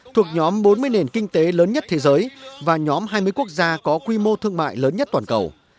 thuộc nhóm bốn mươi nền kinh tế lớn nhất thế giới và nhóm hai mươi quốc gia có quy mô thương mại lớn nhất toàn cầu